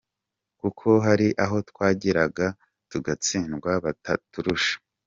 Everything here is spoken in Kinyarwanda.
Kuko hari aho twageraga tugatsindwa bataturusha.